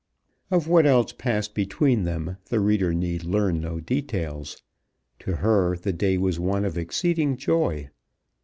Of what else passed between them the reader need learn no details. To her the day was one of exceeding joy.